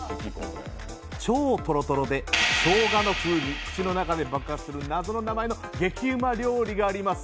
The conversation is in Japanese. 超トロトロでしょうがの風味が口の中で爆発する、謎の名前の激うま料理があります。